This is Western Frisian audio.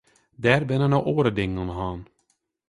Der binne no oare dingen oan de hân.